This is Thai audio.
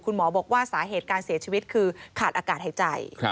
บอกว่าสาเหตุการเสียชีวิตคือขาดอากาศหายใจ